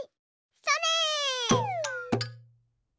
それ！